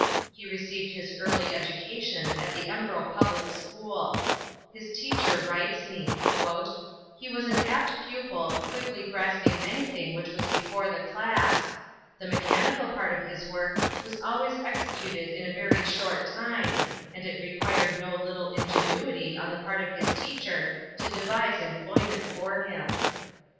He received his early education at the Embro Public School. His teacher writes me: "He was an apt pupil, quickly grasping anything which was before the class. The mechanical part of his work was always executed in a very short time, and it required no little ingenuity on the part of his teacher to devise employment for him."